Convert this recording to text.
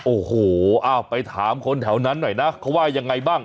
โอ้โหไปถามคนแถวนั้นหน่อยนะเขาว่ายังไงบ้าง